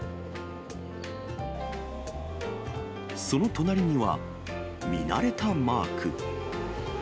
その隣には、見慣れたマーク。